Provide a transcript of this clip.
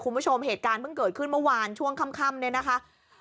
คุณผู้ชมเหตุการณ์เพิ่งเกิดขึ้นเมื่อวานช่วงค่ำเนี่ยนะคะ